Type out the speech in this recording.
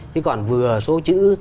chứ còn vừa số chữ